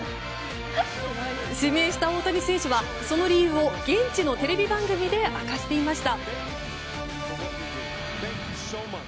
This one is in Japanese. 指名した大谷選手はその理由を現地のテレビ番組で明かしていました。